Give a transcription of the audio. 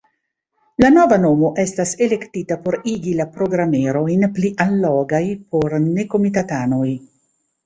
La nova nomo estas elektita por igi la programerojn pli allogaj por nekomitatanoj.